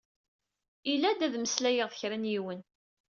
Ilad ad meslayeɣ d kra n yiwen.